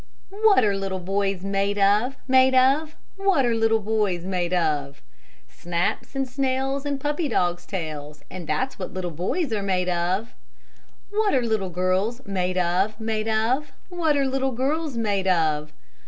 What are little boys made of, made of? What are little boys made of? "Snaps and snails, and puppy dogs' tails; And that's what little boys are made of." What are little girls made of, made of? What are little girls made of?